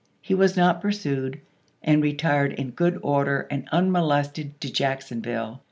He was not pursued, and retired in good order and unmolested to Jacksonville.